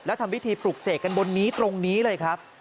ทำพิธีปลุกเสกกันบนนี้ตรงนี้เลยครับ